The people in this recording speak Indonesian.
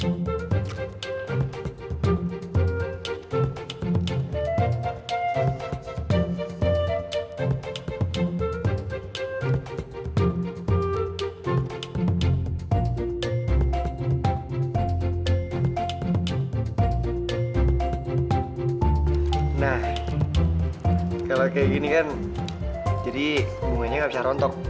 nah kalau kayak gini kan jadi bunganya gak bisa rontok